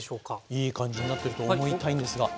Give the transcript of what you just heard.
いい感じになってると思いたいんですが。